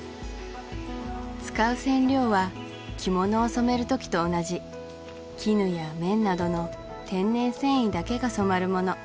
使う染料は着物を染めるときと同じ絹や綿などの天然繊維だけが染まるもの